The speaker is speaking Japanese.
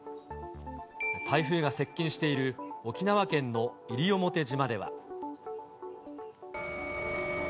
台風が接近している沖縄県の西表島では。